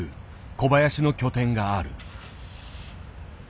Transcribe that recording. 小林の拠点がある。